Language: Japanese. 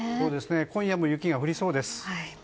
今夜も雪が降りそうです。